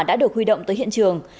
đã được huy động tới hiện trường